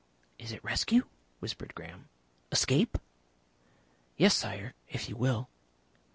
"Is it rescue?" whispered Graham. "Escape?" "Yes, Sire. If you will."